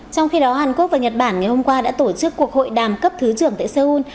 trong khi đó hàn quốc và nhật bản ngày hôm qua đã tổ chức cuộc hội đàm cấp thứ trưởng tại seoul